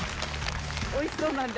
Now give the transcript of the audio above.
おいしそうなので。